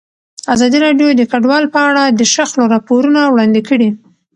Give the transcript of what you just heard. ازادي راډیو د کډوال په اړه د شخړو راپورونه وړاندې کړي.